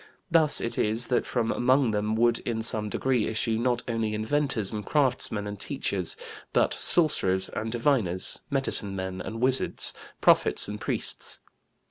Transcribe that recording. Thus it is that from among them would in some degree issue not only inventors and craftsmen and teachers, but sorcerers and diviners, medicine men and wizards, prophets and priests.